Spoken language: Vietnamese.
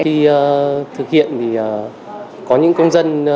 khi thực hiện thì có những công dân